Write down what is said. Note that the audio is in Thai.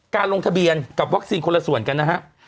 ลงทะเบียนกับวัคซีนคนละส่วนกันนะฮะ